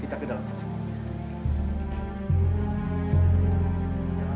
kita ke dalam sas gia